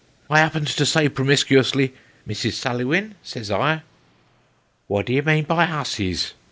I 'appen'd to say pro miscuously, ' Mrs. Sulliwin,' says I "" What do you mean by hussies